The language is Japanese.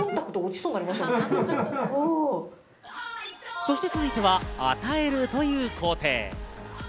そして続いては与えるという工程。